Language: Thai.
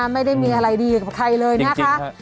ไม่ได้มีอะไรดีกับใครเลยนะคะ